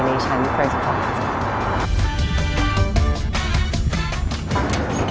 ในช่วงประเทศนี้